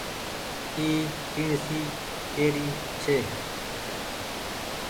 اي ٽيڻسي ڪي ري ڇي۔